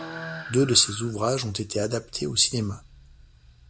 Deux de ses ouvrages ont été adaptés au cinéma.